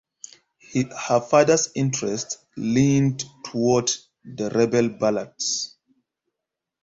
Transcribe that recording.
Her father's interest leaned towards the rebel ballads.